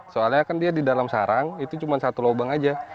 soalnya kan dia di dalam sarang itu cuma satu lubang aja